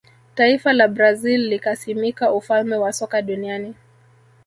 taifa la brazil likasimika ufalme wa soka duniani